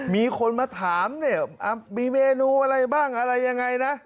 มีคนมาถามเนี่ยมีเมนูอะไรบ้างอะไรยังไงนะ